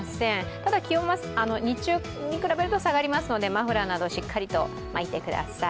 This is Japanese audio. ただ、気温は日中に比べると下がりますので、マフラーなどしっかりと巻いてください。